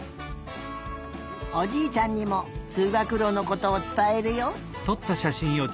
おじいちゃんにもつうがくろのことをつたえるよ。